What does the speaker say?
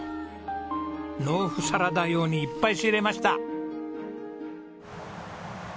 ｎｏｆｕサラダ用にいっぱい仕入れました！